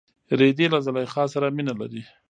رېدی له زلیخا سره مینه لري.